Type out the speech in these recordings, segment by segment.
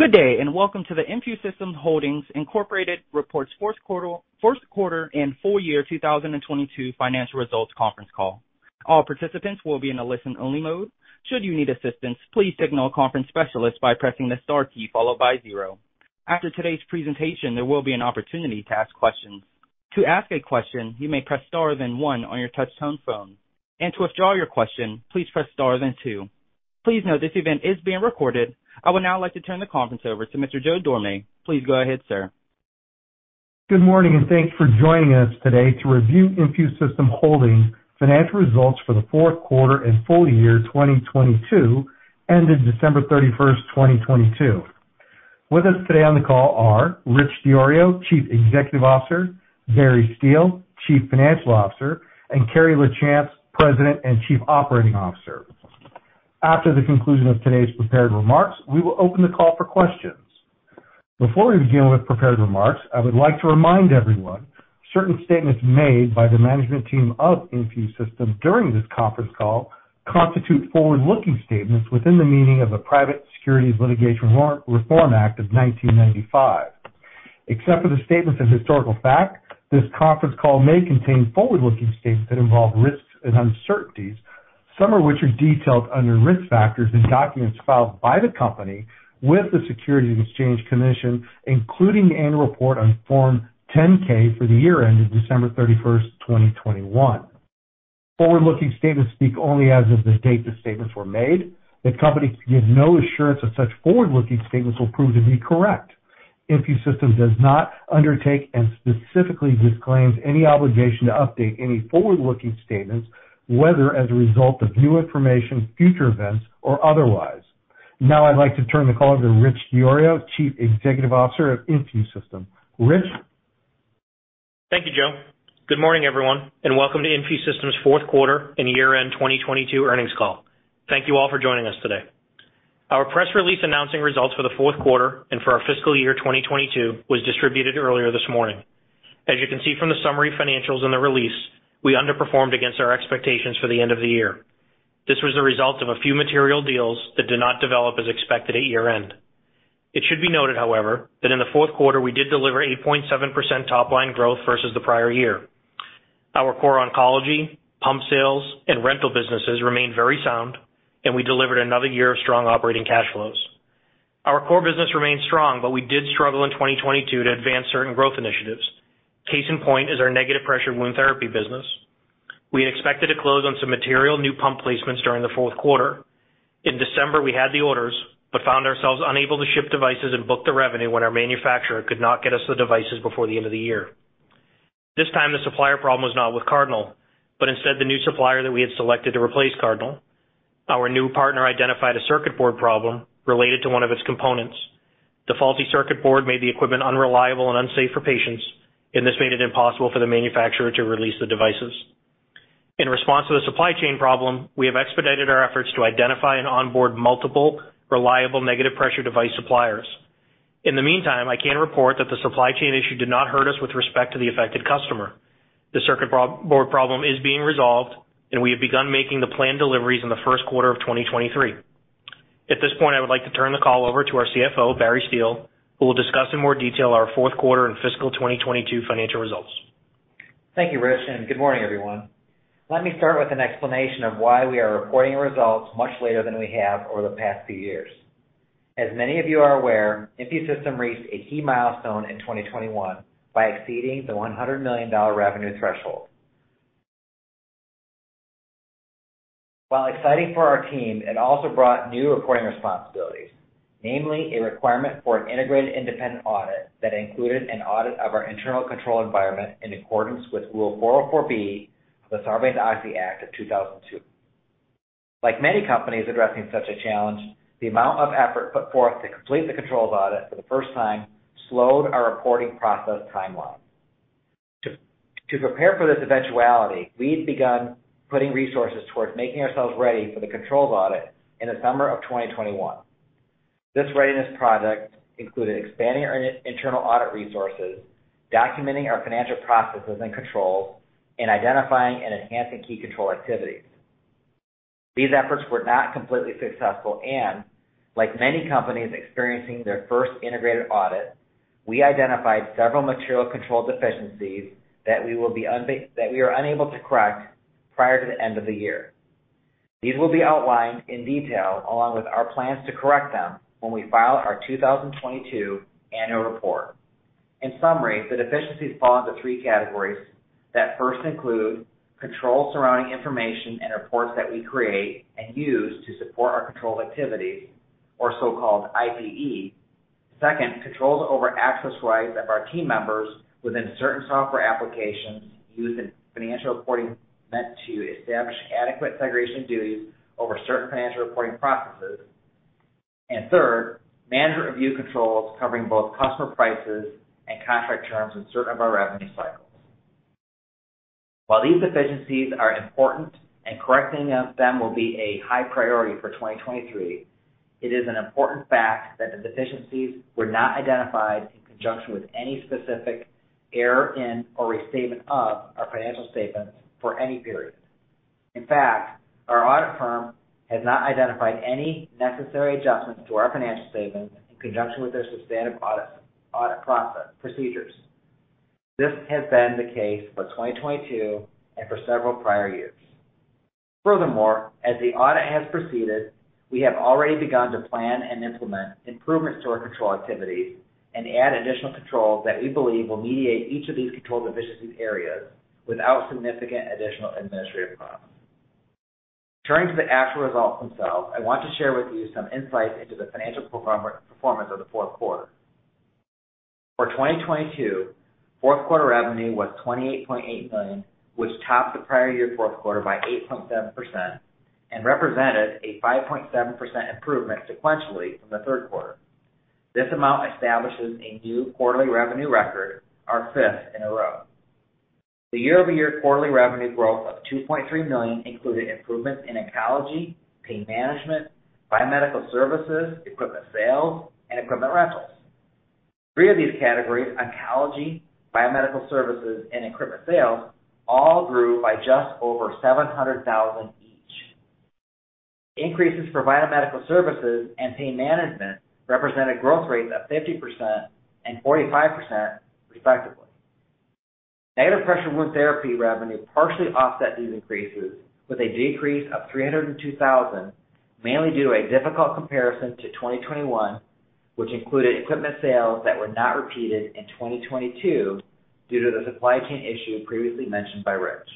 Good day, and welcome to the InfuSystem Holdings, Inc. Reports Fourth Quarter and Full Year 2022 Financial Results Conference Call. All participants will be in a listen-only mode. Should you need assistance, please signal a conference specialist by pressing the star key followed by zero. After today's presentation, there will be an opportunity to ask questions. To ask a question, you may press star then one on your touchtone phone. To withdraw your question, please press star then two. Please note this event is being recorded. I would now like to turn the conference over to Mr. Joe Dorame. Please go ahead, sir. Good morning, and thanks for joining us today to review InfuSystem Holdings' Financial Results for the Fourth Quarter and Full Year 2022, ended December 31st, 2022. With us today on the call are Rich DiIorio, Chief Executive Officer, Barry Steele, Chief Financial Officer, and Carrie Lachance, President and Chief Operating Officer. After the conclusion of today's prepared remarks, we will open the call for questions. Before we begin with prepared remarks, I would like to remind everyone, certain statements made by the management team of InfuSystem during this conference call constitute forward-looking statements within the meaning of the Private Securities Litigation Warrant Reform Act of 1995. Except for the statements of historical fact, this conference call may contain forward-looking statements that involve risks and uncertainties, some of which are detailed under risk factors in documents filed by the company with the Securities and Exchange Commission, including annual report on Form 10-K for the year ended December 31st, 2021. Forward-looking statements speak only as of the date the statements were made. The company gives no assurance that such forward-looking statements will prove to be correct. InfuSystem does not undertake and specifically disclaims any obligation to update any forward-looking statements, whether as a result of new information, future events or otherwise. Now I'd like to turn the call to Rich DiIorio, Chief Executive Officer of InfuSystem. Rich? Thank you, Joe. Welcome, everyone, to InfuSystem's Fourth Quarter and Year-end 2022 Earnings Call. Thank you all for joining us today. Our press release announcing results for the fourth quarter and for our fiscal year 2022 was distributed earlier this morning. As you can see from the summary financials in the release, we underperformed against our expectations for the end of the year. This was the result of a few material deals that did not develop as expected at year-end. It should be noted, however, that in the fourth quarter, we did deliver a 0.7% top line growth versus the prior year. Our core oncology, pump sales and rental businesses remain very sound. We delivered another year of strong operating cash flows. Our core business remains strong. We did struggle in 2022 to advance certain growth initiatives. Case in point is our negative pressure wound therapy business. We had expected to close on some material new pump placements during the fourth quarter. In December, we had the orders, found ourselves unable to ship devices and book the revenue when our manufacturer could not get us the devices before the end of the year. This time, the supplier problem was not with Cardinal, instead the new supplier that we had selected to replace Cardinal. Our new partner identified a circuit board problem related to one of its components. The faulty circuit board made the equipment unreliable and unsafe for patients, this made it impossible for the manufacturer to release the devices. In response to the supply chain problem, we have expedited our efforts to identify and onboard multiple reliable negative pressure device suppliers. In the meantime, I can report that the supply chain issue did not hurt us with respect to the affected customer. The circuit board problem is being resolved, and we have begun making the planned deliveries in the first quarter of 2023. At this point, I would like to turn the call over to our CFO Barry Steele, who will discuss in more detail our fourth quarter and fiscal 2022 financial results. Thank you, Rich. Good morning, everyone. Let me start with an explanation of why we are reporting results much later than we have over the past few years. As many of you are aware, InfuSystem reached a key milestone in 2021 by exceeding the $100 million revenue threshold. While exciting for our team, it also brought new reporting responsibilities, namely a requirement for an integrated independent audit that included an audit of our internal control environment in accordance with Rule 404(b) of the Sarbanes-Oxley Act of 2002. Like many companies addressing such a challenge, the amount of effort put forth to complete the controls audit for the first time slowed our reporting process timeline. To prepare for this eventuality, we'd begun putting resources towards making ourselves ready for the controls audit in the summer of 2021. This readiness project included expanding our internal audit resources, documenting our financial processes and controls, and identifying and enhancing key control activities. These efforts were not completely successful, and like many companies experiencing their first integrated audit, we identified several material control deficiencies that we are unable to correct prior to the end of the year. These will be outlined in detail along with our plans to correct them when we file our 2022 annual report. In summary, the deficiencies fall into three categories that first include controls surrounding information and reports that we create and use to support our control activities or so-called IPE. Second, controls over access rights of our team members within certain software applications used in financial reporting meant to establish adequate segregation duties over certain financial reporting processes. Third, manager review controls covering both customer prices and contract terms in certain of our revenue cycles. While these deficiencies are important and correcting of them will be a high priority for 2023, it is an important fact that the deficiencies were not identified in conjunction with any specific error in or restatement of our financial statements for any period. In fact, our audit firm has not identified any necessary adjustments to our financial statements in conjunction with their substantive audit procedures. This has been the case for 2022 and for several prior years. Furthermore, as the audit has proceeded, we have already begun to plan and implement improvements to our control activities and add additional controls that we believe will mediate each of these control deficiencies areas without significant additional administrative costs. Turning to the actual results themselves, I want to share with you some insights into the financial performance of the fourth quarter. For 2022, fourth quarter revenue was $28.8 million, which topped the prior year fourth quarter by 8.7% and represented a 5.7% improvement sequentially from the third quarter. This amount establishes a new quarterly revenue record, our fifth in a row. The year-over-year quarterly revenue growth of $2.3 million included improvements in oncology, pain management, biomedical services, equipment sales and equipment rentals. Three of these categories, oncology, biomedical services and equipment sales, all grew by just over $700,000 each. Increases for biomedical services and pain management represented growth rates of 50% and 45% respectively. Negative pressure wound therapy revenue partially offset these increases with a decrease of $302,000, mainly due to a difficult comparison to 2021, which included equipment sales that were not repeated in 2022 due to the supply chain issue previously mentioned by Rich.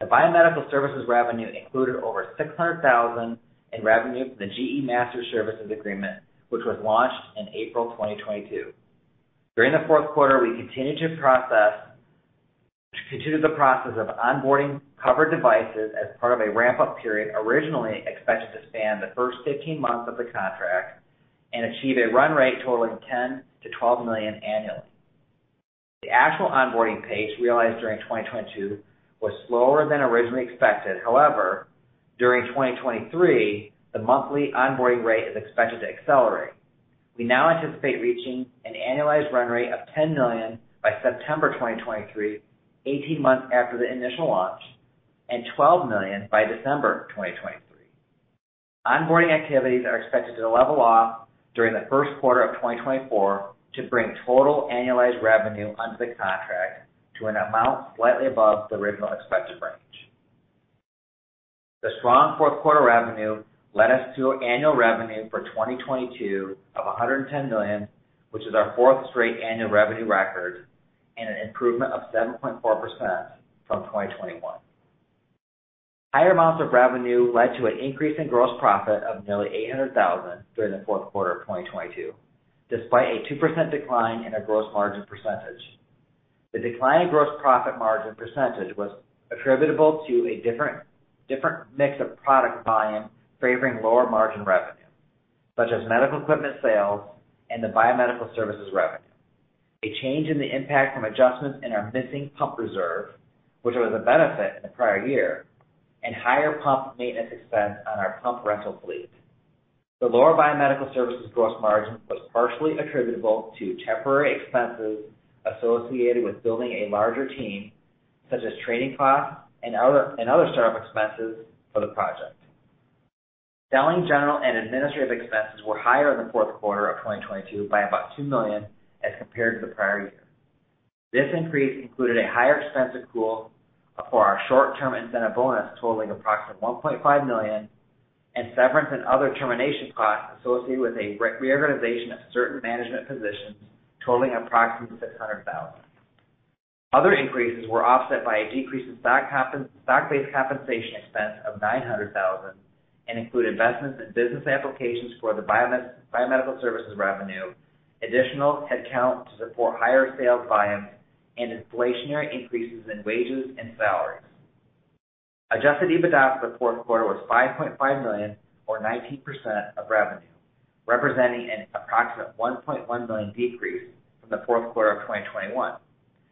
The biomedical services revenue included over $600,000 in revenue from the GE Master Services Agreement, which was launched in April 2022. During the fourth quarter, we continued the process of onboarding covered devices as part of a ramp-up period, originally expected to span the first 15 months of the contract and achieve a run rate totaling $10 million-$12 million annually. The actual onboarding pace realized during 2022 was slower than originally expected. However, during 2023, the monthly onboarding rate is expected to accelerate. We now anticipate reaching an annualized run rate of $10 million by September 2023, 18 months after the initial launch, and $12 million by December 2023. Onboarding activities are expected to level off during the first quarter of 2024 to bring total annualized revenue under the contract to an amount slightly above the original expected range. The strong fourth quarter revenue led us to annual revenue for 2022 of $110 million, which is our fourth straight annual revenue record and an improvement of 7.4% from 2021. Higher amounts of revenue led to an increase in gross profit of nearly $800,000 during the fourth quarter of 2022, despite a 2% decline in our gross margin percentage. The decline in gross profit margin % was attributable to a different mix of product volume favoring lower margin revenue, such as medical equipment sales and the biomedical services revenue. A change in the impact from adjustments in our missing pump reserve, which was a benefit in the prior year, and higher pump maintenance expense on our pump rental fleet. The lower biomedical services gross margin was partially attributable to temporary expenses associated with building a larger team, such as training costs and other startup expenses for the project. Selling, general and administrative expenses were higher in the fourth quarter of 2022 by about $2 million as compared to the prior year. This increase included a higher expense of pool for our short-term incentive bonus totaling approximately $1.5 million and severance and other termination costs associated with a reorganization of certain management positions totaling approximately $600,000. Other increases were offset by a decrease in stock-based compensation expense of $900,000 and include investments in business applications for the biomedical services revenue, additional headcount to support higher sales volumes and inflationary increases in wages and salaries. Adjusted EBITDA for the fourth quarter was $5.5 million or 19% of revenue, representing an approximate $1.1 million decrease from the fourth quarter of 2021.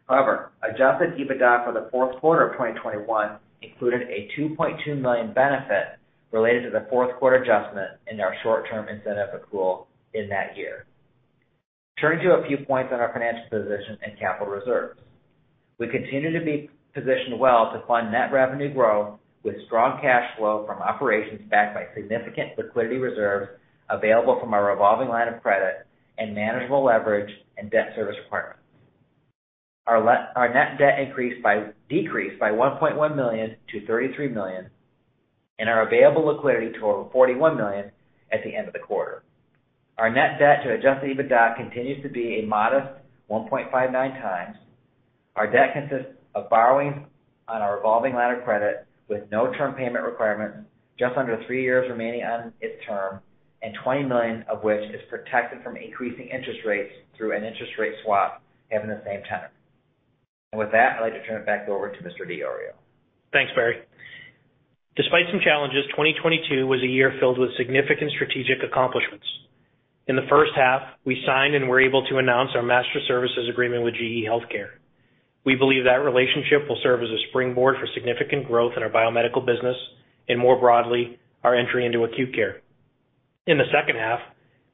However, Adjusted EBITDA for the fourth quarter of 2021 included a $2.2 million benefit related to the fourth quarter adjustment in our short-term incentive accrual in that year. Turning to a few points on our financial position and capital reserves. We continue to be positioned well to fund net revenue growth with strong cash flow from operations backed by significant liquidity reserves available from our revolving line of credit and manageable leverage and debt service requirements. Our net debt decreased by $1.1 million to $33 million and our available liquidity totaled $41 million at the end of the quarter. Our net debt to Adjusted EBITDA continues to be a modest 1.59 times. Our debt consists of borrowings on our revolving line of credit with no term payment requirements, just under three years remaining on its term, and $20 million of which is protected from increasing interest rates through an interest rate swap having the same tenor. With that, I'd like to turn it back over to Mr. DiIorio. Thanks, Barry. Despite some challenges, 2022 was a year filled with significant strategic accomplishments. In the first half, we signed and were able to announce our Master Services Agreement with GE HealthCare. We believe that relationship will serve as a springboard for significant growth in our biomedical business and more broadly, our entry into acute care. In the second half,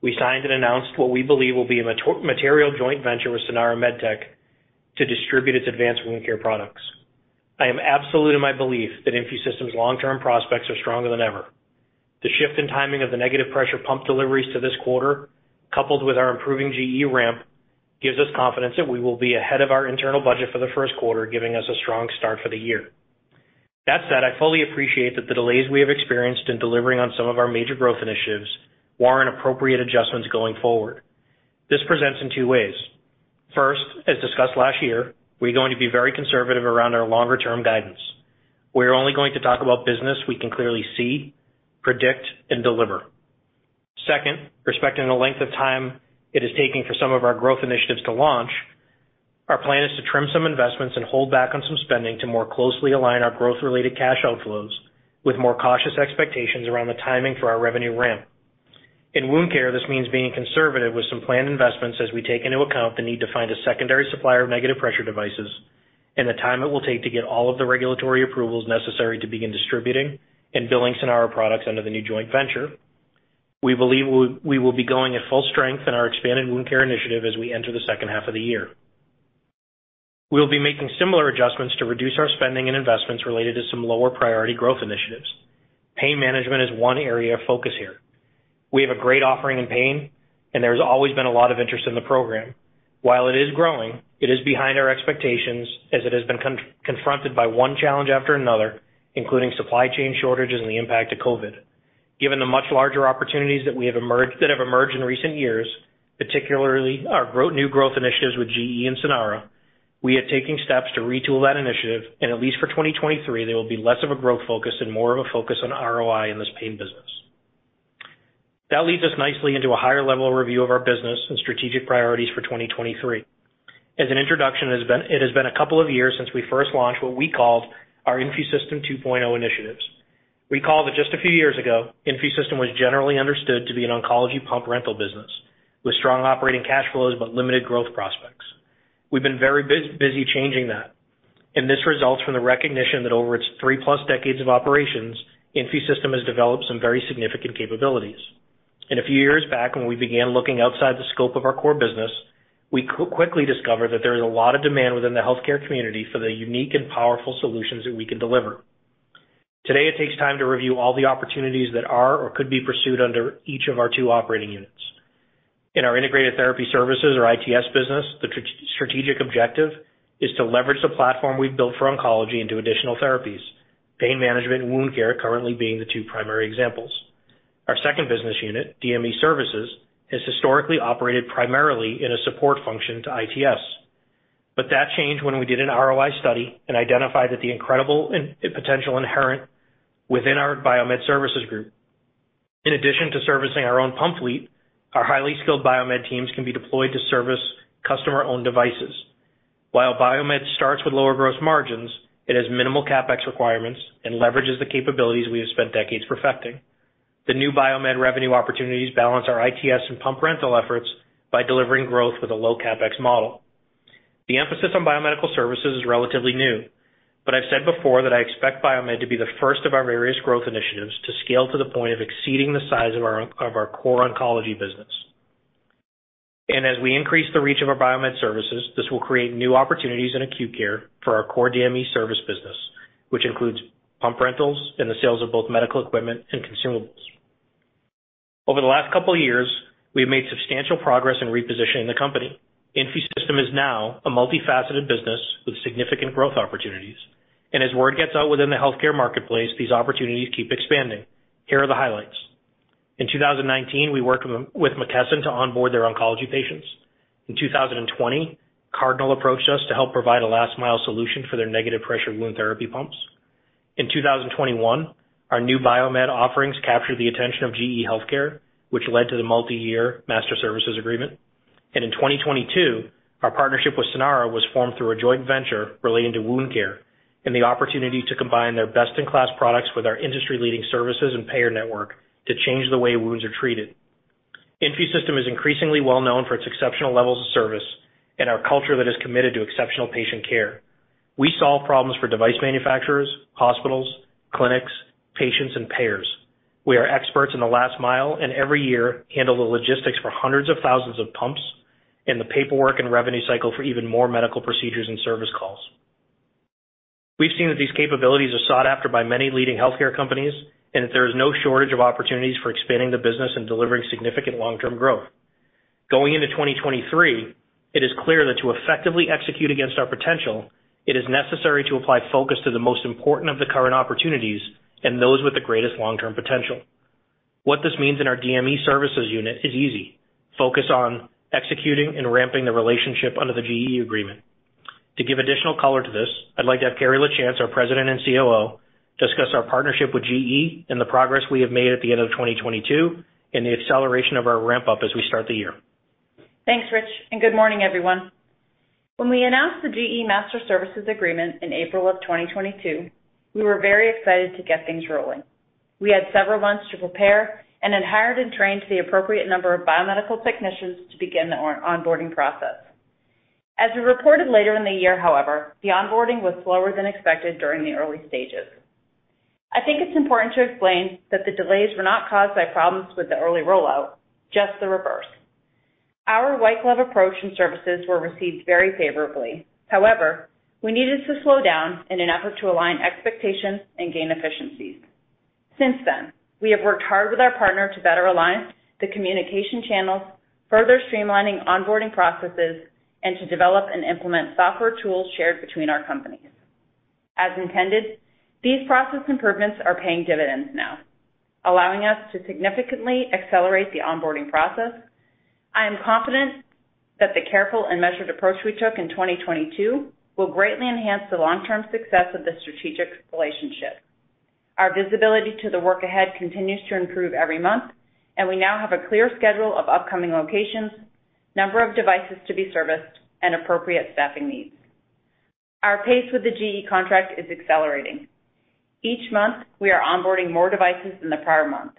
we signed and announced what we believe will be a material joint venture with Sanara MedTech to distribute its advanced wound care products. I am absolute in my belief that InfuSystem's long-term prospects are stronger than ever. The shift in timing of the negative pressure pump deliveries to this quarter, coupled with our improving GE ramp, gives us confidence that we will be ahead of our internal budget for the first quarter, giving us a strong start for the year. That said, I fully appreciate that the delays we have experienced in delivering on some of our major growth initiatives warrant appropriate adjustments going forward. This presents in two ways. First, as discussed last year, we're going to be very conservative around our longer-term guidance. We are only going to talk about business we can clearly see, predict, and deliver. Second, respecting the length of time it is taking for some of our growth initiatives to launch, our plan is to trim some investments and hold back on some spending to more closely align our growth-related cash outflows with more cautious expectations around the timing for our revenue ramp. In wound care, this means being conservative with some planned investments as we take into account the need to find a secondary supplier of negative pressure devices and the time it will take to get all of the regulatory approvals necessary to begin distributing and billing Sanara products under the new joint venture. We believe we will be going at full strength in our expanded wound care initiative as we enter the second half of the year. We'll be making similar adjustments to reduce our spending and investments related to some lower priority growth initiatives. Pain management is one area of focus here. There's always been a lot of interest in the program. While it is growing, it is behind our expectations as it has been confronted by one challenge after another, including supply chain shortages and the impact of COVID. Given the much larger opportunities that have emerged in recent years, particularly our growth, new growth initiatives with GE and Sanara, we are taking steps to retool that initiative. At least for 2023, there will be less of a growth focus and more of a focus on ROI in this pain business. That leads us nicely into a higher level review of our business and strategic priorities for 2023. As an introduction it has been a couple of years since we first launched what we called our InfuSystem 2.0 initiatives. Recall that just a few years ago, InfuSystem was generally understood to be an oncology pump rental business with strong operating cash flows but limited growth prospects. We've been very busy changing that. This results from the recognition that over its three-plus decades of operations, InfuSystem has developed some very significant capabilities. A few years back, when we began looking outside the scope of our core business, we quickly discovered that there is a lot of demand within the healthcare community for the unique and powerful solutions that we can deliver. Today, it takes time to review all the opportunities that are or could be pursued under each of our two operating units. In our Integrated Therapy Services or ITS business, the strategic objective is to leverage the platform we've built for oncology into additional therapies, pain management and wound care currently being the two primary examples. Our second business unit, DME Services, has historically operated primarily in a support function to ITS. That changed when we did an ROI study and identified that the incredible potential inherent within our biomed services group. In addition to servicing our own pump fleet, our highly skilled biomed teams can be deployed to service customer-owned devices. While biomed starts with lower gross margins, it has minimal CapEx requirements and leverages the capabilities we have spent decades perfecting. The new biomed revenue opportunities balance our ITS and pump rental efforts by delivering growth with a low CapEx model. The emphasis on biomedical services is relatively new, but I've said before that I expect biomed to be the first of our various growth initiatives to scale to the point of exceeding the size of our core oncology business. As we increase the reach of our biomed services, this will create new opportunities in acute care for our core DME Services business, which includes pump rentals and the sales of both medical equipment and consumables. Over the last couple years, we have made substantial progress in repositioning the company. InfuSystem is now a multifaceted business with significant growth opportunities. As word gets out within the healthcare marketplace, these opportunities keep expanding. Here are the highlights. In 2019, we worked with McKesson to onboard their oncology patients. In 2020, Cardinal approached us to help provide a last mile solution for their Negative Pressure Wound Therapy pumps. In 2021, our new biomed offerings captured the attention of GE HealthCare, which led to the multi-year Master Services Agreement. In 2022, our partnership with Sanara was formed through a joi nt venture relating to wound care and the opportunity to combine their best-in-class products with our industry-leading services and payer network to change the way wounds are treated. InfuSystem is increasingly well known for its exceptional levels of service and our culture that is committed to exceptional patient care. We solve problems for device manufacturers, hospitals, clinics, patients, and payers. We are experts in the last mile, and every year handle the logistics for hundreds of thousands of pumps and the paperwork and revenue cycle for even more medical procedures and service calls. We've seen that these capabilities are sought after by many leading healthcare companies, and that there is no shortage of opportunities for expanding the business and delivering significant long-term growth. Going into 2023, it is clear that to effectively execute against our potential, it is necessary to apply focus to the most important of the current opportunities and those with the greatest long-term potential. What this means in our DME Services unit is easy. Focus on executing and ramping the relationship under the GE agreement. To give additional color to this, I'd like to have Carrie Lachance, our President and COO, discuss our partnership with GE and the progress we have made at the end of 2022 and the acceleration of our ramp-up as we start the year. Thanks, Rich, and good morning, everyone. When we announced the GE Master Services Agreement in April of 2022, we were very excited to get things rolling. We had several months to prepare and had hired and trained the appropriate number of biomedical technicians to begin the onboarding process. As we reported later in the year, however, the onboarding was slower than expected during the early stages. I think it's important to explain that the delays were not caused by problems with the early rollout, just the reverse. Our white glove approach and services were received very favorably. However, we needed to slow down in an effort to align expectations and gain efficiencies. Since then, we have worked hard with our partner to better align the communication channels, further streamlining onboarding processes, and to develop and implement software tools shared between our companies. As intended, these process improvements are paying dividends now, allowing us to significantly accelerate the onboarding process. I am confident that the careful and measured approach we took in 2022 will greatly enhance the long-term success of this strategic relationship. Our visibility to the work ahead continues to improve every month, and we now have a clear schedule of upcoming locations, number of devices to be serviced, and appropriate staffing needs. Our pace with the GE contract is accelerating. Each month, we are onboarding more devices than the prior month,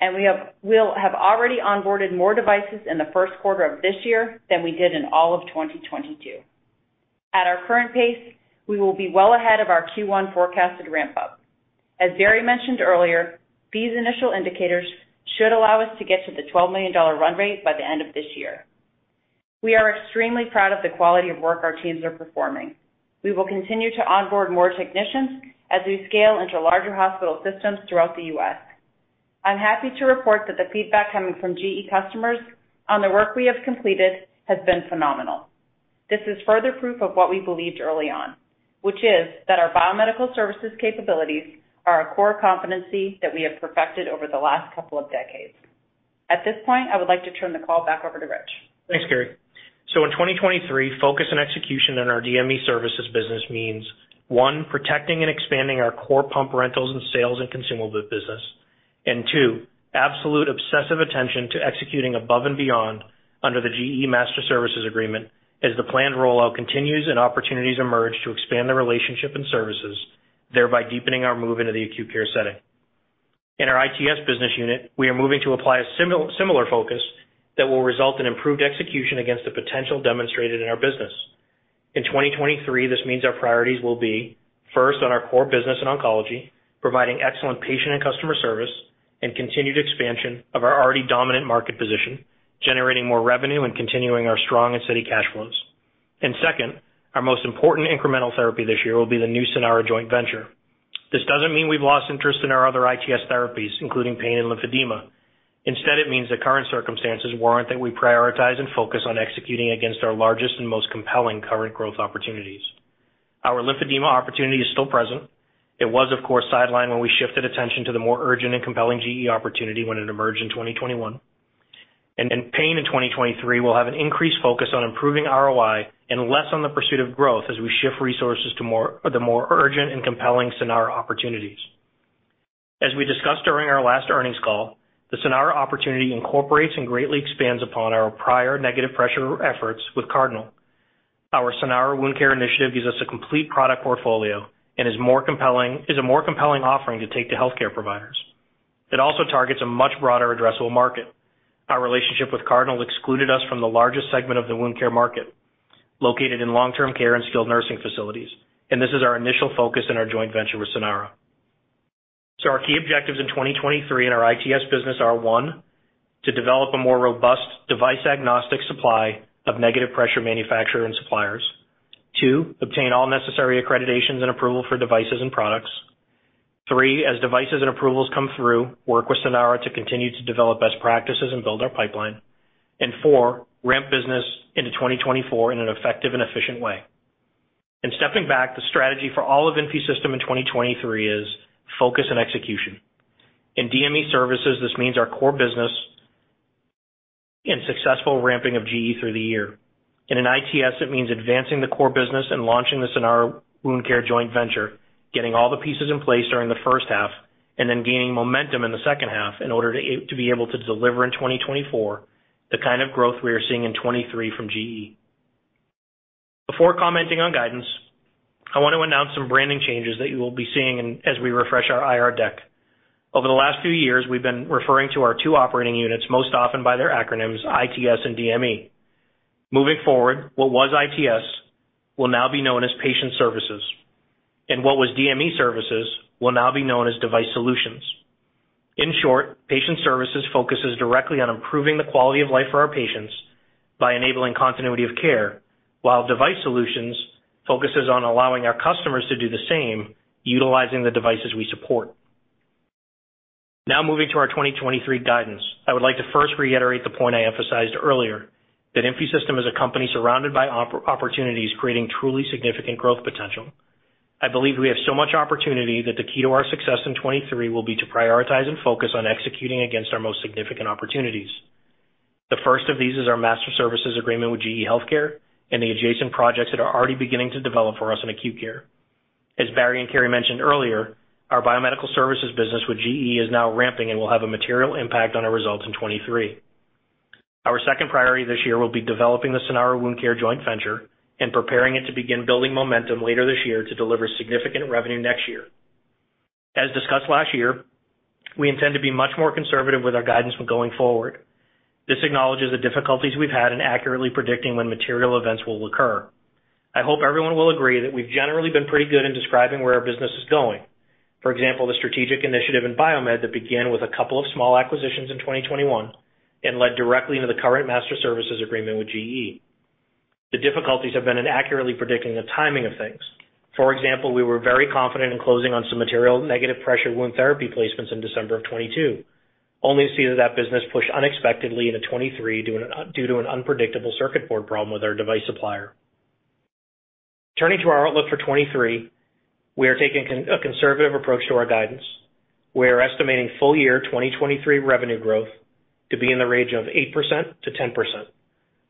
and We'll have already onboarded more devices in the first quarter of this year than we did in all of 2022. At our current pace, we will be well ahead of our Q1 forecasted ramp-up. As Barry mentioned earlier, these initial indicators should allow us to get to the $12 million run rate by the end of this year. We are extremely proud of the quality of work our teams are performing. We will continue to onboard more technicians as we scale into larger hospital systems throughout the U.S. I'm happy to report that the feedback coming from GE customers on the work we have completed has been phenomenal. This is further proof of what we believed early on, which is that our biomedical services capabilities are a core competency that we have perfected over the last couple of decades. At this point, I would like to turn the call back over to Rich. Thanks, Carrie. In 2023, focus and execution in our DME Services business means, 1, protecting and expanding our core pump rentals and sales and consumable business. 2, absolute obsessive attention to executing above and beyond under the GE Master Services Agreement as the planned rollout continues and opportunities emerge to expand the relationship and services, thereby deepening our move into the acute care setting. In our ITS business unit, we are moving to apply a similar focus that will result in improved execution against the potential demonstrated in our business. In 2023, this means our priorities will be, first, on our core business in oncology, providing excellent patient and customer service and continued expansion of our already dominant market position, generating more revenue and continuing our strong and steady cash flows. Second, our most important incremental therapy this year will be the new Sanara joint venture. This doesn't mean we've lost interest in our other ITS therapies, including pain and lymphedema. Instead, it means the current circumstances warrant that we prioritize and focus on executing against our largest and most compelling current growth opportunities. Our lymphedema opportunity is still present. It was, of course, sidelined when we shifted attention to the more urgent and compelling GE opportunity when it emerged in 2021. In pain in 2023, we'll have an increased focus on improving ROI and less on the pursuit of growth as we shift resources to the more urgent and compelling Sanara opportunities. As we discussed during our last earnings call, the Sanara opportunity incorporates and greatly expands upon our prior negative pressure efforts with Cardinal. Our Sanara wound care initiative gives us a complete product portfolio, is a more compelling offering to take to healthcare providers. It also targets a much broader addressable market. Our relationship with Cardinal excluded us from the largest segment of the wound care market, located in long-term care and skilled nursing facilities. This is our initial focus in our joint venture with Sanara. Our key objectives in 2023 in our ITS business are: 1. to develop a more robust device-agnostic supply of negative pressure manufacturer and suppliers. 2. obtain all necessary accreditations and approval for devices and products. 3. as devices and approvals come through, work with Sanara to continue to develop best practices and build our pipeline. 4. ramp business into 2024 in an effective and efficient way. In stepping back, the strategy for all of InfuSystem in 2023 is focus and execution. In DME Services, this means our core business and successful ramping of GE through the year. In ITS, it means advancing the core business and launching the Sanara Wound Care joint venture, getting all the pieces in place during the first half, and then gaining momentum in the second half in order to be able to deliver in 2024 the kind of growth we are seeing in 2023 from GE. Before commenting on guidance, I want to announce some branding changes that you will be seeing as we refresh our IR deck. Over the last few years, we've been referring to our two operating units most often by their acronyms, ITS and DME. Moving forward, what was ITS will now be known as Patient Services, and what was DME Services will now be known as Device Solutions. In short, Patient Services focuses directly on improving the quality of life for our patients by enabling continuity of care, while Device Solutions focuses on allowing our customers to do the same, utilizing the devices we support. Now moving to our 2023 guidance, I would like to first reiterate the point I emphasized earlier that InfuSystem is a company surrounded by opportunities creating truly significant growth potential. I believe we have so much opportunity that the key to our success in 2023 will be to prioritize and focus on executing against our most significant opportunities. The first of these is our Master Services Agreement with GE HealthCare and the adjacent projects that are already beginning to develop for us in acute care. As Barry and Carrie mentioned earlier, our biomedical services business with GE is now ramping and will have a material impact on our results in 2023. Our second priority this year will be developing the Sanara Wound Care joint venture and preparing it to begin building momentum later this year to deliver significant revenue next year. As discussed last year, we intend to be much more conservative with our guidance when going forward. This acknowledges the difficulties we've had in accurately predicting when material events will occur. I hope everyone will agree that we've generally been pretty good in describing where our business is going. For example, the strategic initiative in biomed that began with a couple of small acquisitions in 2021 and led directly into the current GE Master Services Agreement with GE. The difficulties have been in accurately predicting the timing of things. For example, we were very confident in closing on some material negative pressure wound therapy placements in December of 2022, only to see that business push unexpectedly into 2023 due to an unpredictable circuit board problem with our device supplier. Turning to our outlook for 2023, we are taking a conservative approach to our guidance. We are estimating full year 2023 revenue growth to be in the range of 8%-10%,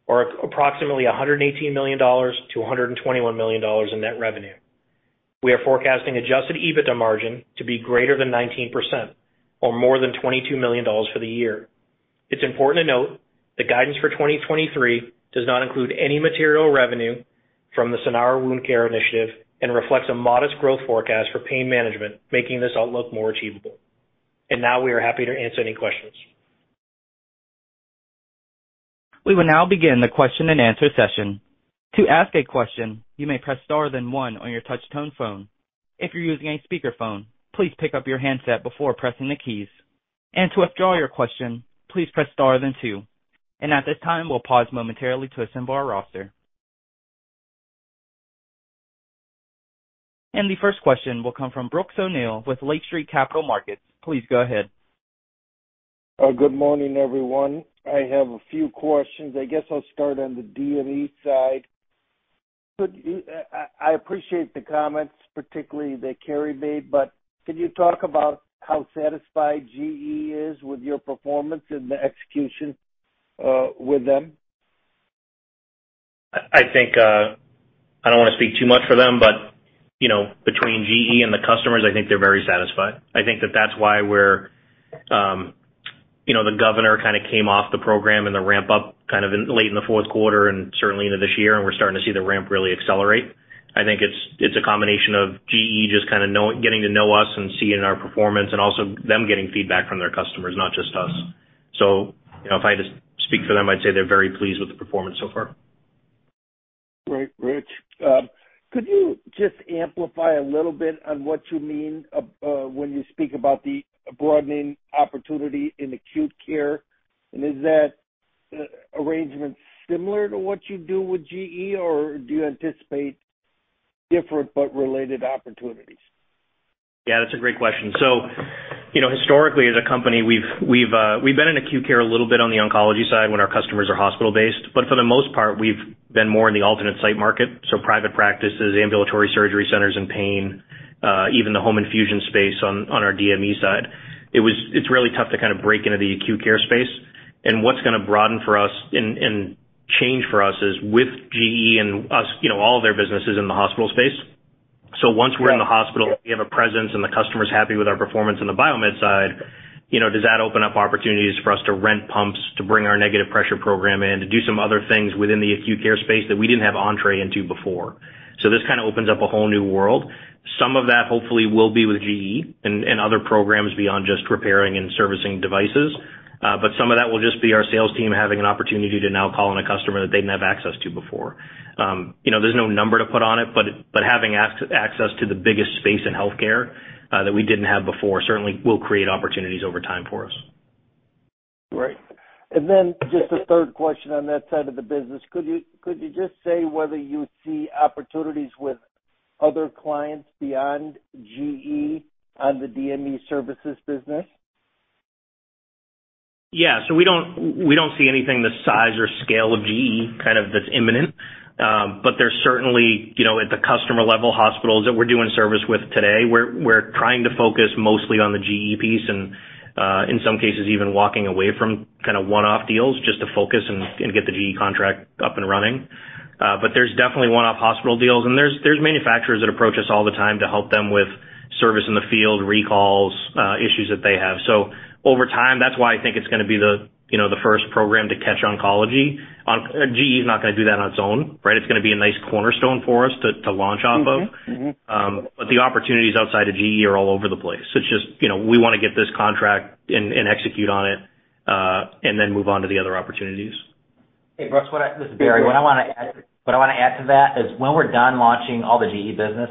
or approximately $118 million-$121 million in net revenue. We are forecasting Adjusted EBITDA margin to be greater than 19% or more than $22 million for the year. It's important to note that guidance for 2023 does not include any material revenue from the Sanara wound care initiative and reflects a modest growth forecast for pain management, making this outlook more achievable. Now we are happy to answer any questions. We will now begin the question-and-answer session. To ask a question, you may press star then one on your touch tone phone. If you're using a speakerphone, please pick up your handset before pressing the keys. To withdraw your question, please press star then two. At this time, we'll pause momentarily to assemble our roster. The first question will come from Brooks O'Neil with Lake Street Capital Markets. Please go ahead. Good morning, everyone. I have a few questions. I guess I'll start on the DME side. I appreciate the comments, particularly that Kerry made, can you talk about how satisfied GE is with your performance and the execution with them? I think, I don't want to speak too much for them, but, you know, between GE and the customers, I think they're very satisfied. I think that that's why we're, you know, the governor kind of came off the program and the ramp up kind of in late in the fourth quarter and certainly into this year. We're starting to see the ramp really accelerate. I think it's a combination of GE just kind of getting to know us and seeing our performance and also them getting feedback from their customers, not just us. You know, if I had to speak for them, I'd say they're very pleased with the performance so far. Great. Great. Could you just amplify a little bit on what you mean when you speak about the broadening opportunity in acute care? Is that arrangement similar to what you do with GE, or do you anticipate different but related opportunities? Yeah, that's a great question. You know, historically, as a company, we've been in acute care a little bit on the oncology side when our customers are hospital-based, but for the most part, we've been more in the alternate site market, so private practices, ambulatory surgery centers, and pain, even the home infusion space on our DME side. It's really tough to kind of break into the acute care space. What's gonna broaden for us and change for us is with GE and us, you know, all of their businesses in the hospital space. Once we're in the hospital, we have a presence, and the customer's happy with our performance on the biomed side. You know, does that open up opportunities for us to rent pumps, to bring our negative pressure program in, to do some other things within the acute care space that we didn't have entree into before. This kind of opens up a whole new world. Some of that hopefully will be with GE and other programs beyond just repairing and servicing devices. Some of that will just be our sales team having an opportunity to now call on a customer that they didn't have access to before. You know, there's no number to put on it, but having access to the biggest space in healthcare, that we didn't have before certainly will create opportunities over time for us. Right. Just a third question on that side of the business. Could you just say whether you see opportunities with other clients beyond GE on the DME Services business? Yeah. We don't see anything the size or scale of GE kind of that's imminent. There's certainly, you know, at the customer level, hospitals that we're doing service with today, we're trying to focus mostly on the GE piece and, in some cases, even walking away from kind of one-off deals just to focus and get the GE contract up and running. There's definitely one-off hospital deals, and there's manufacturers that approach us all the time to help them with service in the field, recalls, issues that they have. Over time, that's why I think it's gonna be the, you know, the first program to catch oncology. GE is not gonna do that on its own, right? It's gonna be a nice cornerstone for us to launch off of. Mm-hmm. Mm-hmm. The opportunities outside of GE are all over the place. It's just, you know, we wanna get this contract and execute on it, and then move on to the other opportunities. Hey, Brooks, this is Barry. What I wanna add to that is when we're done launching all the GE business,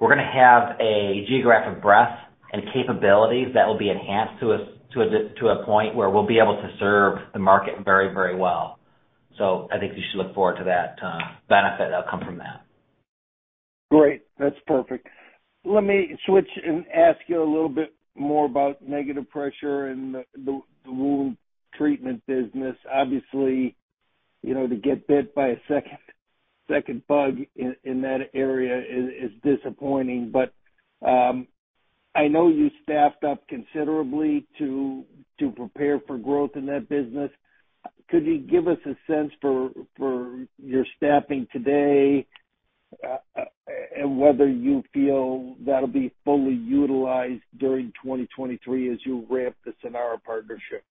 we're gonna have a geographic breadth and capabilities that will be enhanced to a point where we'll be able to serve the market very, very well. I think you should look forward to that benefit that'll come from that. Great. That's perfect. Let me switch and ask you a little bit more about negative pressure and the wound treatment business. Obviously, you know, to get bit by a second bug in that area is disappointing. I know you staffed up considerably to prepare for growth in that business. Could you give us a sense for your staffing today, and whether you feel that'll be fully utilized during 2023 as you ramp the Sanara partnership?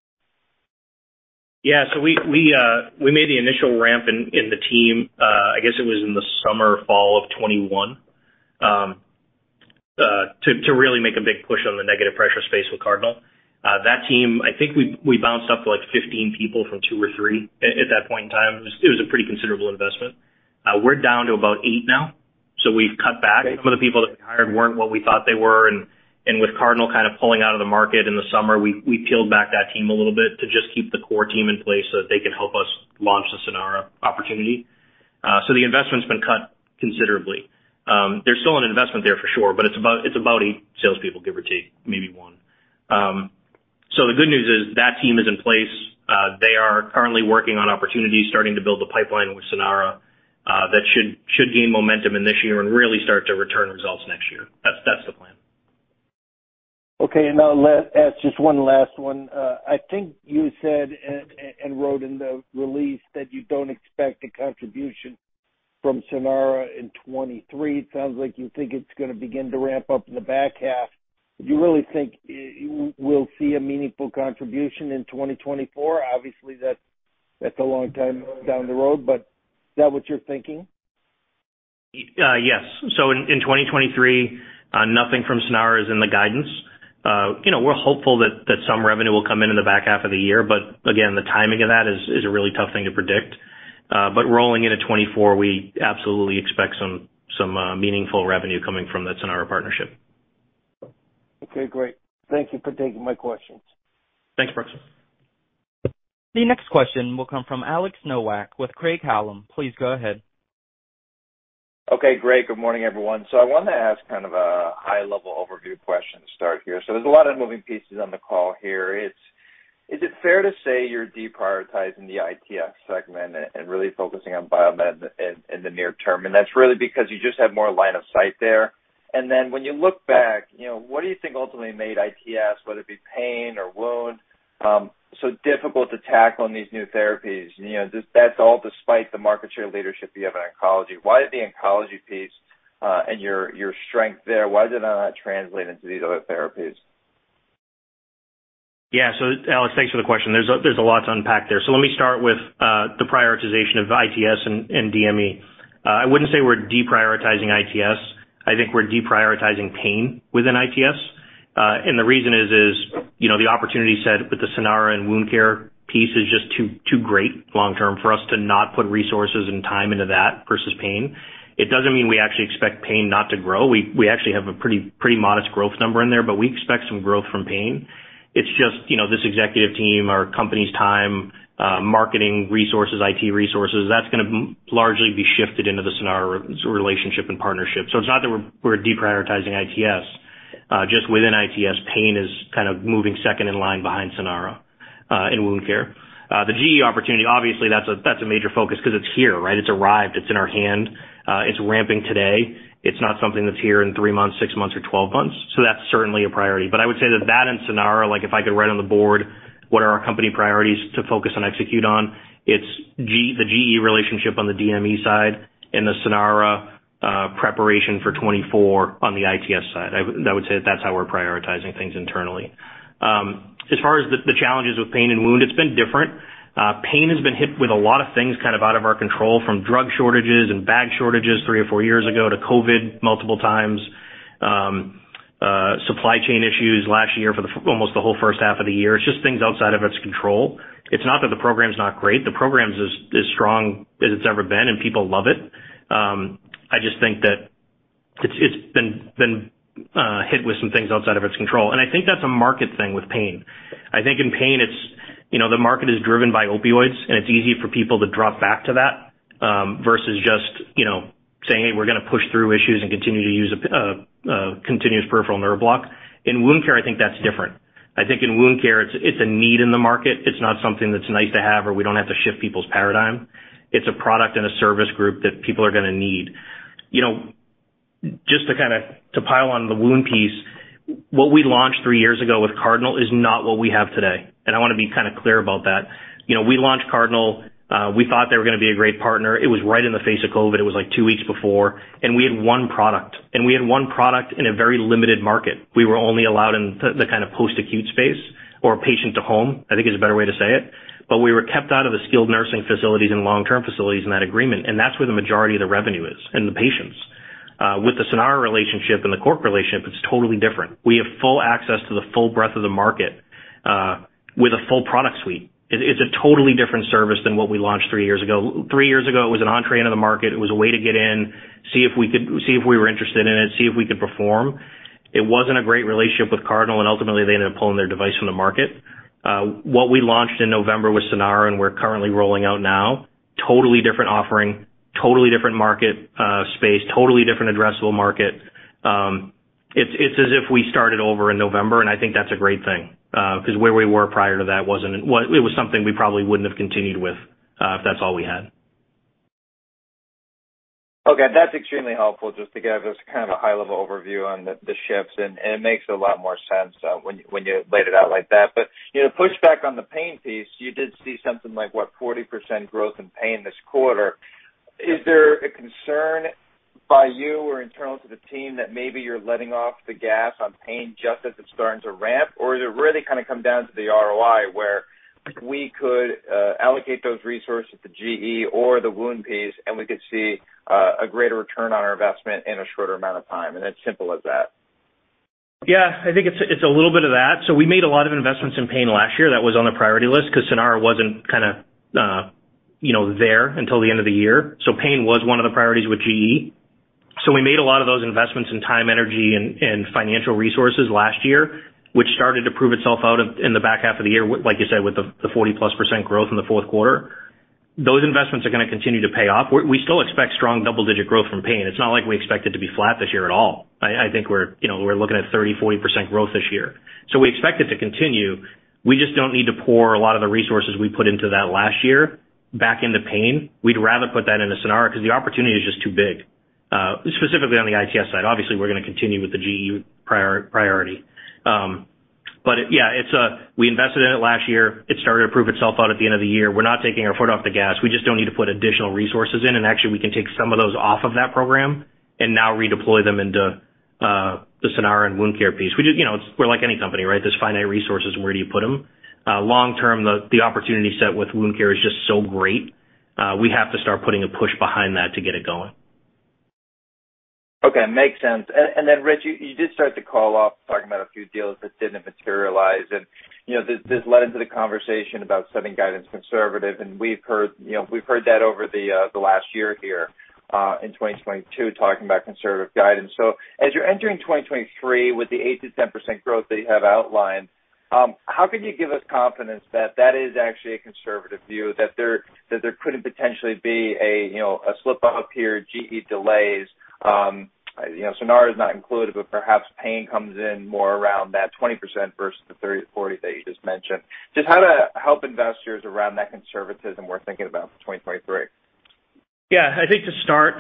Yeah. We made the initial ramp in the team, I guess it was in the summer, fall of 2021, to really make a big push on the negative pressure space with Cardinal. That team, I think we bounced up to like 15 people from two or three at that point in time. It was a pretty considerable investment. We're down to about eight now, so we've cut back. Some of the people that we hired weren't what we thought they were, with Cardinal kind of pulling out of the market in the summer, we peeled back that team a little bit to just keep the core team in place so that they can help us launch the Sanara opportunity. The investment's been cut considerably. There's still an investment there for sure, but it's about 8 salespeople, give or take, maybe 1. The good news is that team is in place. They are currently working on opportunities, starting to build a pipeline with Sanara, that should gain momentum in this year and really start to return results next year. That's the plan. Okay. I'll ask just one last one. I think you said and wrote in the release that you don't expect a contribution from Sanara in 2023. It sounds like you think it's gonna begin to ramp up in the back half. Do you really think you will see a meaningful contribution in 2024? Obviously, that's a long time down the road, but is that what you're thinking? Yes. In 2023, nothing from Sanara is in the guidance. You know, we're hopeful that some revenue will come in in the back half of the year, but again, the timing of that is a really tough thing to predict. Rolling into 2024, we absolutely expect some meaningful revenue coming from that Sanara partnership. Okay, great. Thank you for taking my questions. Thanks, Brooks. The next question will come from Alex Nowak with Craig-Hallum. Please go ahead. Okay, great. Good morning, everyone. I wanted to ask kind of a high-level overview question to start here. There's a lot of moving pieces on the call here. Is it fair to say you're deprioritizing the ITS segment and really focusing on biomed in the near term, and that's really because you just have more line of sight there? When you look back, you know, what do you think ultimately made ITS, whether it be pain or wound, so difficult to tackle on these new therapies? You know, that's all despite the market share leadership you have in oncology. Why did the oncology piece, and your strength there, why did that not translate into these other therapies? Yeah. Alex, thanks for the question. There's a lot to unpack there. Let me start with the prioritization of ITS and DME. I wouldn't say we're deprioritizing ITS. I think we're deprioritizing pain within ITS. The reason is, you know, the opportunity set with the Sanara and wound care piece is just too great long term for us to not put resources and time into that versus pain. It doesn't mean we actually expect pain not to grow. We actually have a pretty modest growth number in there, but we expect some growth from pain. It's just, you know, this executive team, our company's time, marketing resources, IT resources, that's gonna largely be shifted into the Sanara relationship and partnership. It's not that we're deprioritizing ITS. Just within ITS, pain is kind of moving second in line behind Sanara and wound care. The GE opportunity, obviously, that's a, that's a major focus 'cause it's here, right? It's arrived. It's in our hand. It's ramping today. It's not something that's here in 3 months, 6 months or 12 months. That's certainly a priority. I would say that that and Sanara, like, if I could write on the board what are our company priorities to focus and execute on, it's the GE relationship on the DME side and the Sanara preparation for 2024 on the ITS side. I would say that's how we're prioritizing things internally. As far as the challenges with pain and wound, it's been different. Pain has been hit with a lot of things kind of out of our control, from drug shortages and bag shortages 3 or 4 years ago to COVID multiple times, supply chain issues last year for almost the whole first half of the year. It's just things outside of its control. It's not that the program's not great. The program's as strong as it's ever been, and people love it. I just think that it's been hit with some things outside of its control. I think that's a market thing with pain. I think in pain, it's... You know, the market is driven by opioids, and it's easy for people to drop back to that, versus just, you know, saying, "Hey, we're gonna push through issues and continue to use a continuous peripheral nerve block." In wound care, I think that's different. I think in wound care, it's a need in the market. It's not something that's nice to have, or we don't have to shift people's paradigm. It's a product and a service group that people are gonna need. You know, just to kind of pile on the wound piece, what we launched three years ago with Cardinal is not what we have today, and I wanna be kind of clear about that. You know, we launched Cardinal. We thought they were gonna be a great partner. It was right in the face of COVID. It was, like, two weeks before. We had one product, and we had one product in a very limited market. We were only allowed in the kind of post-acute space or patient to home, I think is a better way to say it. We were kept out of the skilled nursing facilities and long-term facilities in that agreement, and that's where the majority of the revenue is and the patients. With the Sanara relationship and the Cork relationship, it's totally different. We have full access to the full breadth of the market, with a full product suite. It's a totally different service than what we launched three years ago. Three years ago, it was an entree into the market. It was a way to get in, see if we could see if we were interested in it, see if we could perform. It wasn't a great relationship with Cardinal, ultimately, they ended up pulling their device from the market. What we launched in November with Sanara and we're currently rolling out now, totally different offering, totally different market space, totally different addressable market. It's as if we started over in November, I think that's a great thing, 'cause where we were prior to that it was something we probably wouldn't have continued with, if that's all we had. Okay. That's extremely helpful just to get this kind of a high-level overview on the shifts, and it makes a lot more sense, when you laid it out like that. You know, pushback on the pain piece, you did see something like, what, 40% growth in pain this quarter. Is there a concern by you or internal to the team that maybe you're letting off the gas on pain just as it's starting to ramp? Or does it really kind of come down to the ROI where we could allocate those resources to GE or the wound piece, and we could see a greater return on our investment in a shorter amount of time, and it's simple as that? Yeah, I think it's a little bit of that. We made a lot of investments in pain last year that was on the priority list 'cause Sanara wasn't kinda, you know, there until the end of the year. Pain was one of the priorities with GE. We made a lot of those investments in time, energy and financial resources last year, which started to prove itself in the back half of the year with, like you said, with the 40%+ growth in the fourth quarter. Those investments are gonna continue to pay off. We still expect strong double-digit growth from pain. It's not like we expect it to be flat this year at all. I think we're, you know, we're looking at 30%-40% growth this year. We expect it to continue. We just don't need to pour a lot of the resources we put into that last year back into pain. We'd rather put that into Sanara 'cause the opportunity is just too big, specifically on the ITS side. Obviously, we're gonna continue with the GE priority. Yeah, it's, we invested in it last year. It started to prove itself out at the end of the year. We're not taking our foot off the gas. We just don't need to put additional resources in, and actually, we can take some of those off of that program and now redeploy them into the Sanara and wound care piece. You know, we're like any company, right? There's finite resources and where do you put them. Long term, the opportunity set with wound care is just so great, we have to start putting a push behind that to get it going. Okay. Makes sense. Then, Rich, you did start the call off talking about a few deals that didn't materialize. You know, this led into the conversation about setting guidance conservative. We've heard, you know, that over the last year here, in 2022, talking about conservative guidance. As you're entering 2023 with the 8%-10% growth that you have outlined, how can you give us confidence that that is actually a conservative view, that there couldn't potentially be a, you know, a slip up here, GE delays? You know, Sanara is not included, but perhaps pain comes in more around that 20% versus the 30%-40% that you just mentioned. Just how to help investors around that conservatism we're thinking about for 2023. Yeah. I think to start,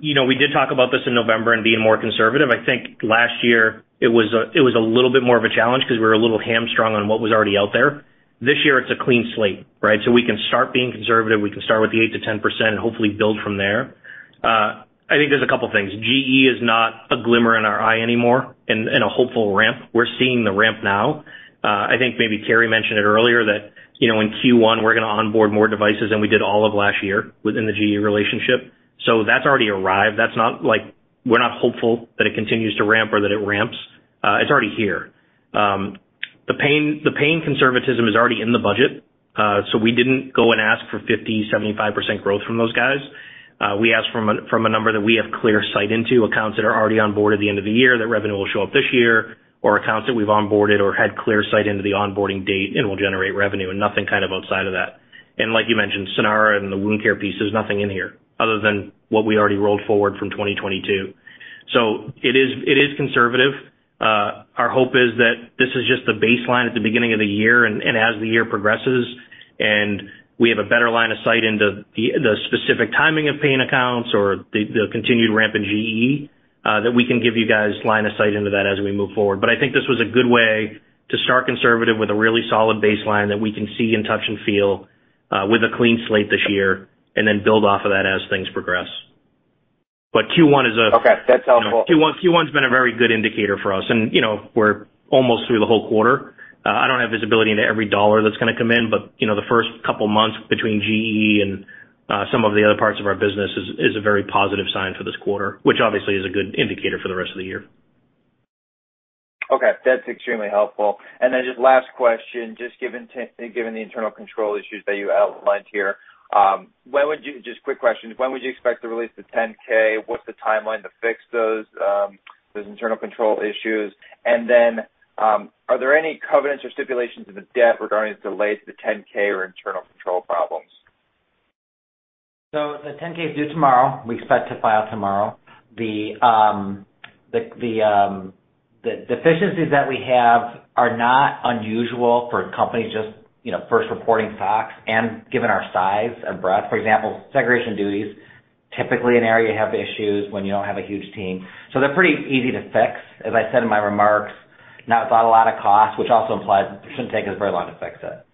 you know, we did talk about this in November and being more conservative. I think last year it was a little bit more of a challenge 'cause we were a little hamstrung on what was already out there. This year it's a clean slate, right? We can start being conservative. We can start with the 8%-10% and hopefully build from there. I think there's a couple things. GE is not a glimmer in our eye anymore and a hopeful ramp. We're seeing the ramp now. I think maybe Terry mentioned it earlier that, you know, in Q1, we're gonna onboard more devices than we did all of last year within the GE relationship. That's already arrived. That's not like. We're not hopeful that it continues to ramp or that it ramps. It's already here. The pain conservatism is already in the budget. We didn't go and ask for 50%, 75% growth from those guys. We asked from a, from a number that we have clear sight into, accounts that are already on board at the end of the year, that revenue will show up this year, or accounts that we've onboarded or had clear sight into the onboarding date and will generate revenue, and nothing kind of outside of that. Like you mentioned, Sanara and the wound care piece, there's nothing in here other than what we already rolled forward from 2022. It is, it is conservative. Our hope is that this is just the baseline at the beginning of the year. As the year progresses and we have a better line of sight into the specific timing of paying accounts or the continued ramp in GE, that we can give you guys line of sight into that as we move forward. I think this was a good way to start conservative with a really solid baseline that we can see and touch and feel with a clean slate this year and then build off of that as things progress. Okay. That's helpful. Q1's been a very good indicator for us, you know, we're almost through the whole quarter. I don't have visibility into every dollar that's gonna come in, you know, the first couple months between GE and some of the other parts of our business is a very positive sign for this quarter, which obviously is a good indicator for the rest of the year. Okay. That's extremely helpful. Just last question, just given the internal control issues that you outlined here, Just quick question, when would you expect to release the 10-K? What's the timeline to fix those internal control issues? Are there any covenants or stipulations of the debt regarding the delays to 10-K or internal control problems? The 10-K is due tomorrow. We expect to file tomorrow. The deficiencies that we have are not unusual for a company just, you know, first reporting SOX and given our size and breadth. For example, segregation duties, typically an area you have issues when you don't have a huge team. They're pretty easy to fix. As I said in my remarks, not a lot of cost, which also implies it shouldn't take us very long to fix it.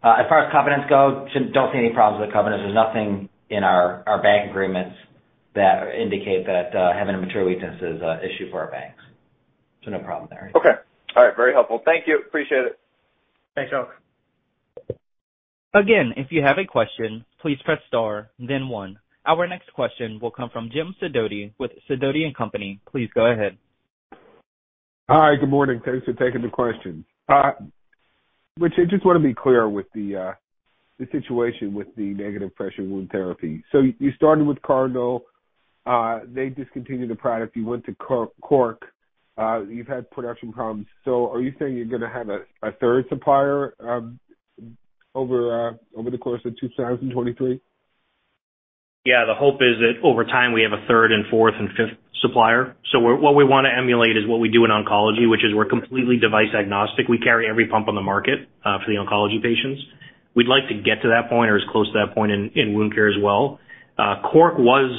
As far as covenants go, don't see any problems with the covenants. There's nothing in our bank agreements that indicate that having a material weakness is a issue for our banks. No problem there. Okay. All right. Very helpful. Thank you. Appreciate it. Thanks. Again, if you have a question, please press star then one. Our next question will come from Jim Sidoti with Sidoti & Company. Please go ahead. Hi. Good morning. Thanks for taking the question. Rich, I just wanna be clear with the situation with the negative pressure wound therapy. You started with Cardinal. They discontinued the product. You went to Cork Medical, you've had production problems. Are you saying you're gonna have a third supplier over the course of 2023? The hope is that over time, we have a third and fourth and fifth supplier. What we wanna emulate is what we do in oncology, which is we're completely device agnostic. We carry every pump on the market for the oncology patients. We'd like to get to that point or as close to that point in wound care as well. Cork was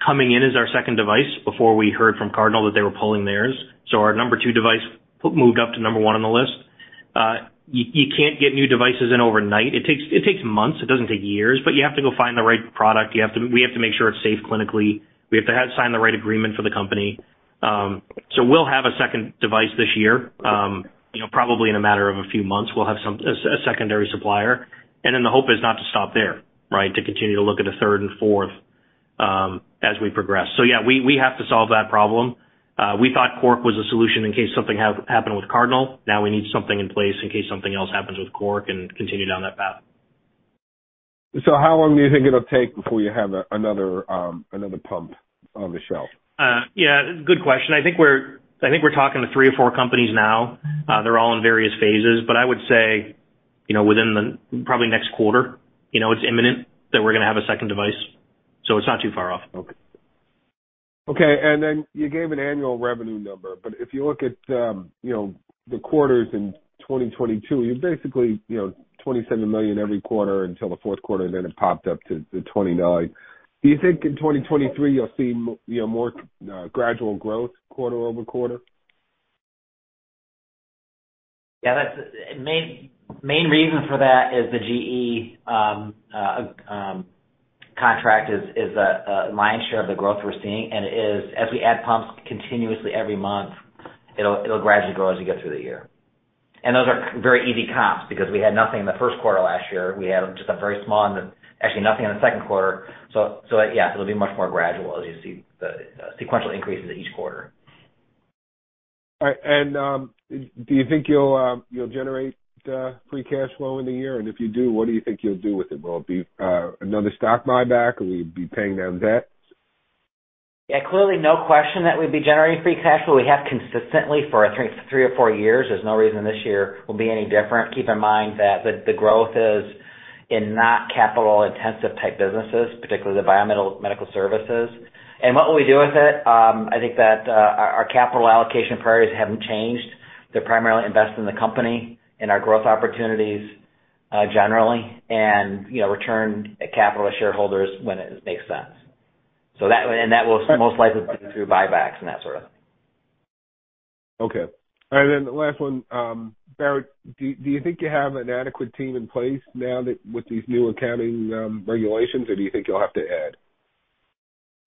coming in as our second device before we heard from Cardinal that they were pulling theirs. Our number 2 device moved up to number 1 on the list. You can't get new devices in overnight. It takes months. It doesn't take years, you have to go find the right product. We have to make sure it's safe clinically. We have to have sign the right agreement for the company. We'll have a second device this year. You know, probably in a matter of a few months, we'll have a secondary supplier. The hope is not to stop there, right? To continue to look at a third and fourth as we progress. Yeah, we have to solve that problem. We thought Cork was a solution in case something happened with Cardinal. Now we need something in place in case something else happens with Cork and continue down that path. How long do you think it'll take before you have another pump on the shelf? Yeah, good question. I think we're talking to three or four companies now. They're all in various phases. I would say, you know, within the probably next quarter, you know, it's imminent that we're gonna have a second device. It's not too far off. Okay. Okay, then you gave an annual revenue number. If you look at, you know, the quarters in 2022, you're basically, you know, $27 million every quarter until the fourth quarter, then it popped up to $29 million. Do you think in 2023 you'll see you know, more, gradual growth quarter-over-quarter? Yeah, that's. main reason for that is the GE contract is lion's share of the growth we're seeing. It is as we add pumps continuously every month, it'll gradually grow as you go through the year. Those are very easy comps because we had nothing in the first quarter last year. We had just a very small and actually nothing in the second quarter. Yeah, it'll be much more gradual as you see the sequential increases each quarter. All right. Do you think you'll generate free cash flow in the year? If you do, what do you think you'll do with it? Will it be another stock buyback? Will you be paying down debt? Yeah, clearly, no question that we'd be generating free cash. Well, we have consistently for I think three or four years. There's no reason this year will be any different. Keep in mind that the growth is in not capital-intensive type businesses, particularly the biomedical services. What will we do with it? I think that our capital allocation priorities haven't changed. They're primarily invest in the company and our growth opportunities, generally and, you know, return capital to shareholders when it makes sense. So that. That will most likely be through buybacks and that sort of thing. Okay. The last one, Barry, do you think you have an adequate team in place now that with these new accounting regulations or do you think you'll have to add?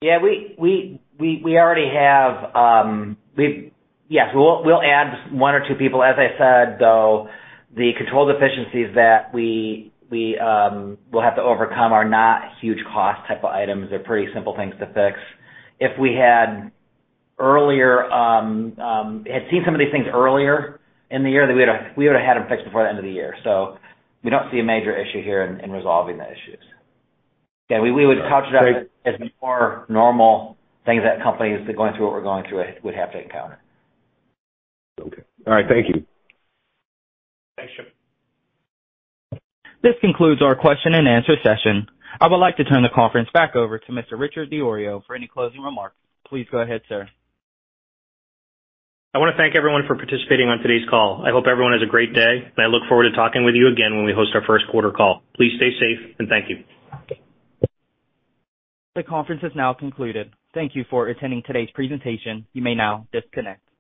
Yeah, we already have. Yes, we'll add one or two people. As I said, though, the control deficiencies that we will have to overcome are not huge cost type of items. They're pretty simple things to fix. If we had earlier had seen some of these things earlier in the year, then we would've had them fixed before the end of the year. We don't see a major issue here in resolving the issues. Yeah, we would couch that as more normal things that companies going through what we're going through would have to encounter. Okay. All right. Thank you. Thanks, Jim. This concludes our question-and-answer session. I would like to turn the conference back over to Mr. Richard DiIorio for any closing remarks. Please go ahead, sir. I wanna thank everyone for participating on today's call. I hope everyone has a great day, and I look forward to talking with you again when we host our first quarter call. Please stay safe, and thank you. The conference has now concluded. Thank you for attending today's presentation. You may now disconnect.